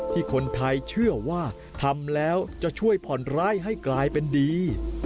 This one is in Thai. ที่คนไทยเชื่อว่าทำแล้วจะช่วยผ่อนร้ายให้กลายเป็นดี